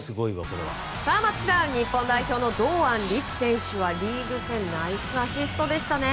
松木さん日本代表の堂安律選手はリーグ戦ナイスアシストでしたね。